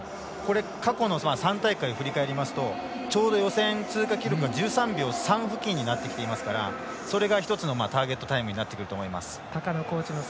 過去の３大会振り返りますとちょうど予選通過記録が１３秒３付近なのでそれが１つのターゲットタイムになってくると思います。